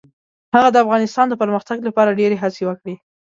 هغه د افغانستان د پرمختګ لپاره ډیرې هڅې وکړې.